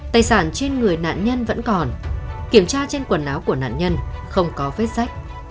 tài sản trên người nạn nhân vẫn còn kiểm tra trên quần áo của nạn nhân không có vết sách